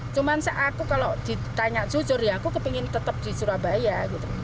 cuma aku kalau ditanya jujur ya aku kepingin tetap di surabaya gitu